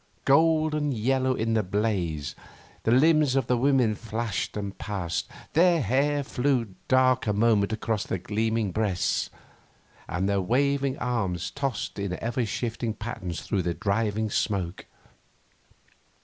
Golden yellow in the blaze, the limbs of the women flashed and passed; their hair flew dark a moment across gleaming breasts; and their waving arms tossed in ever shifting patterns through the driving smoke.